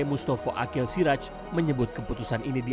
mustafa akil siraj menyebut keputusan ini